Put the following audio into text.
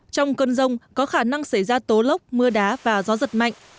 trong cơn rông có khả năng xảy ra tố lốc mưa đá và gió giật mạnh